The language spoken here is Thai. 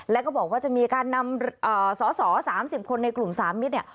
และก็บอกว่าจะมีการนำสอสอสามสิบคนในกลุ่มสามมิตร